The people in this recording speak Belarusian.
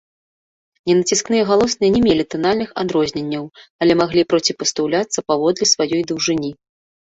Ненаціскныя галосныя не мелі танальных адрозненняў, але маглі проціпастаўляцца паводле сваёй даўжыні.